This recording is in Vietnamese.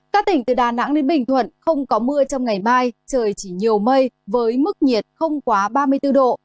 các tỉnh từ đà nẵng đến bình thuận không có mưa trong ngày mai trời chỉ nhiều mây với mức nhiệt không quá ba mươi bốn độ